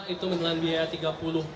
itu menilai biaya tiga puluh